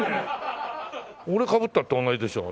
俺かぶったって同じでしょう。